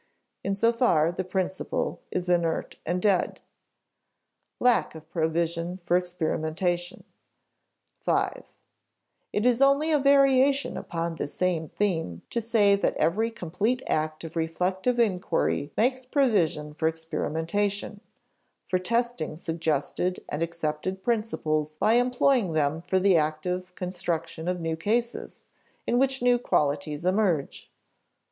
In so far, the principle is inert and dead. [Sidenote: Lack of provision for experimentation] (v) It is only a variation upon this same theme to say that every complete act of reflective inquiry makes provision for experimentation for testing suggested and accepted principles by employing them for the active construction of new cases, in which new qualities emerge.